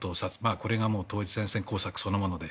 これが統一戦線工作そのもので。